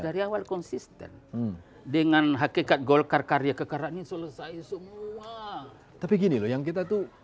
dari awal konsisten dengan hakikat golkar karya kekara ini selesai semua tapi gini loh yang kita tuh